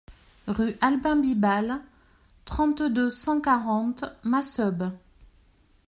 Rue Albin Bibal, trente-deux, cent quarante Masseube